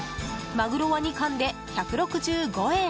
マグロは２貫で、１６５円。